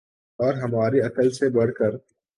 اور ہماری عقل سے بڑھ کر